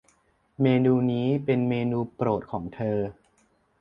เมนูนี้เป็นเมนูโปรดของเธอ